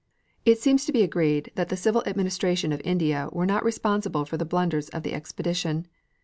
It seems to be agreed that the civil administration of India were not responsible for the blunders of the expedition.